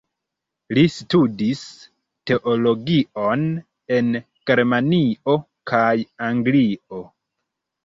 Li studis teologion en Germanio kaj Anglio.